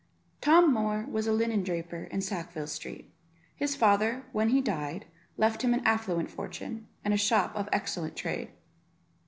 Tom Moor was a linen draper in Sackville Street. His father, when he died, left him an affluent fortune, and a shop of excellent trade.